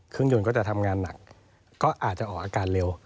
เครื่องยนต์ก็จะทำงานหนักก็อาจจะออกอาการเร็ว